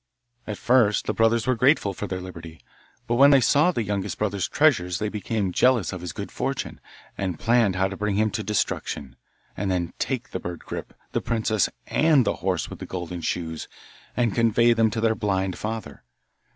At first the brothers were grateful for their liberty, but when they saw the youngest brother's treasures they became jealous of his good fortune, and planned how to bring him to destruction, and then take the bird Grip, the princess, and the horse with the golden shoes, and convey them to their blind father.